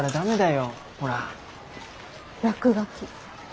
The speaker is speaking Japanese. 落書き。